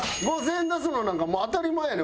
５０００円出すのなんかもう当たり前やねん。